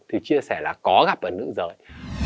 thì chia sẻ là có gặp ở nữ giới